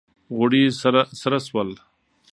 غوړي سره سول